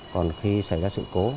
còn khi xảy ra sự cố